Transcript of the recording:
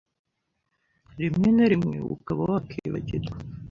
rimwe na rimwe ukaba wakibagirwa